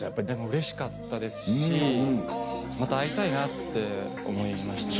うれしかったですしまた会いたいなって思いました。